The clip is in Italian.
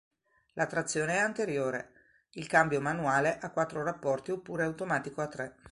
La trazione è anteriore; il cambio manuale a quattro rapporti oppure automatico a tre.